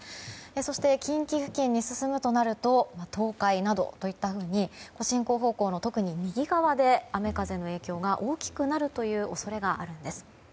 そして近畿付近に進むとなると東海などというふうに進行方向の特に右側で雨風の影響が大きくなるという恐れがあるんです。